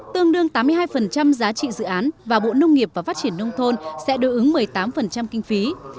tương đương tám mươi hai giá trị dự án và bộ nông nghiệp và phát triển nông thôn sẽ đối ứng một mươi tám kinh phí